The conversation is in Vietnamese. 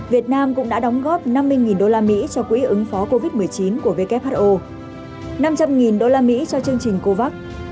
việt nam cũng đã đóng góp năm mươi đô la mỹ cho quỹ ứng phó covid một mươi chín của who năm trăm linh đô la mỹ cho chương trình covax